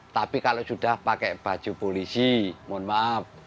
tapi kalau sudah pakai baju polisi mohon maaf